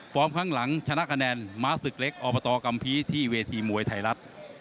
ฟอร์มข้างหลังชนะคะแนนมาสึกเล็กอกัมพีที่เวทีมวยไทยรัฐ